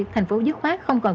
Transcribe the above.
tp dứt khoát không còn tỉnh